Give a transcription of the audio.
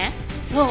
そう。